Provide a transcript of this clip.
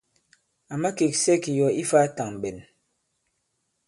À makèksɛ kì yɔ̀ ifā tàŋɓɛn.